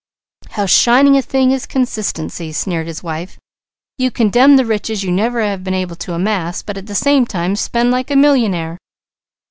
"How shining a thing is consistency!" sneered his wife. "You condemn the riches you never have been able to amass, but at the same time spend like a millionaire."